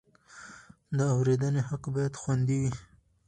د اورېدنې حق باید خوندي وي.